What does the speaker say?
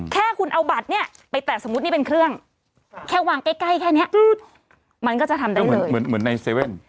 แค่คุณเอาบัตรไปแตะสมมตินี่เป็นเครื่องแค่วางใกล้แค่นี้มันก็จะทำได้เลย